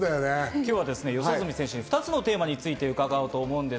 今日は四十住選手に２つのテーマについて伺います。